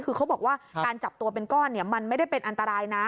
คือเขาบอกว่าการจับตัวเป็นก้อนมันไม่ได้เป็นอันตรายนะ